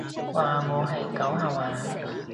話我係狗吓話？